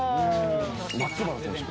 松原選手は。